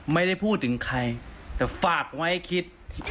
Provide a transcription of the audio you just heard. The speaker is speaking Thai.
ไม่ได้พูดถึงใครแต่ฝากไว้คิด